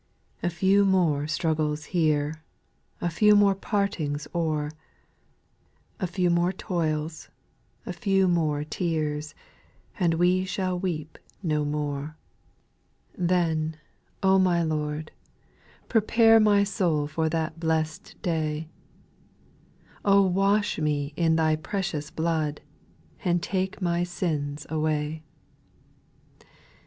4. A few more struggles here, A few more partings o'er, A few more toils, a few more tears, And we shall wcc\) rvo isvot^. 12 184 SPIRITUAL 80NOS. Then, O my Lord, prepare My soul for that blest day ; wash me in Thy precious blood, And take my sins away.